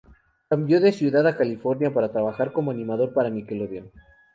Cambió de ciudad a California para trabajar como animador para Nickelodeon.